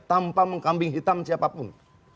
tanpa mengkambing hitam siapapun